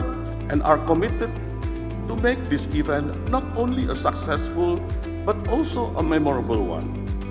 dan kami berpikir untuk membuat acara ini bukan hanya sukses tapi juga memenuhi keharusan